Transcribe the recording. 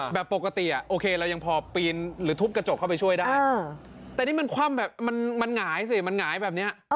แบบปกติโอเคเรายังพอปีนหรือทุบกระจกเข้าไปช่วยได้แต่นี่มันคว่ำแบบมันหงายสิมันหงายแบบนี้